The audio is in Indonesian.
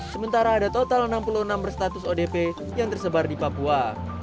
sementara ada total enam puluh enam berstatus odp yang tersebar di papua